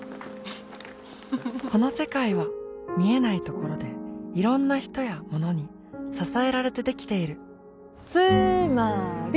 この世界は見えないところでいろんな人やものに支えられてできているつーまーり！